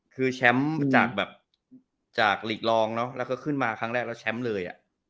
คือแชมป์จากแบบจากหลีกรองเนอะแล้วก็ขึ้นมาครั้งแรกแล้วแชมป์เลย